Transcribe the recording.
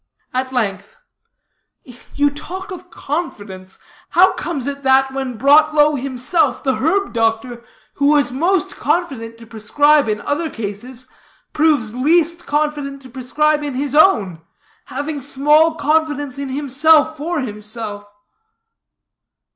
At length, "You talk of confidence. How comes it that when brought low himself, the herb doctor, who was most confident to prescribe in other cases, proves least confident to prescribe in his own; having small confidence in himself for himself?"